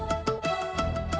nih aku tidur